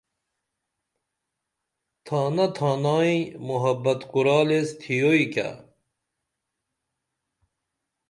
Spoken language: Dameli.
تھانا تھانہ یئیں محبت کُرال ایس تھیوئی کیہ